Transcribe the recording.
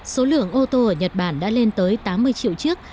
số lượng ô tô ở nhật bản đã lên tới tám mươi triệu chiếc